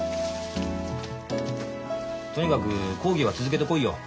とにかく講義は続けて来いよ。